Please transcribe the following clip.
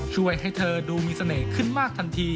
ช่วยให้เธอดูมีเสน่ห์ขึ้นมากทันที